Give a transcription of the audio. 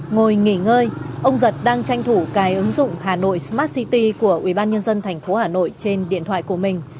ngồi nghỉ ngơi ông giật đang tranh thủ cài ứng dụng hà nội smart city của ubnd tp hà nội trên điện thoại của mình